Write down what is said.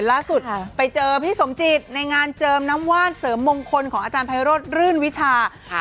ล่าสุดไปเจอพี่สมจิตในงานเจิมน้ำว่านเสริมมงคลของอาจารย์ไพโรธรื่นวิชาค่ะ